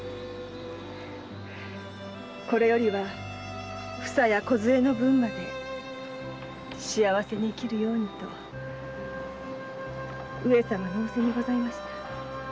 これよりはふさやこずえの分まで幸せに生きるようにと上様の仰せにございました。